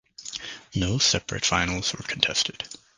No separate finals were contested.